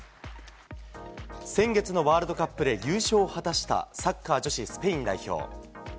先月のワールドカップで優勝を果たしたサッカー女子スペイン代表。